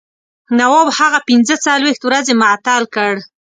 نواب هغه پنځه څلوېښت ورځې معطل کړ.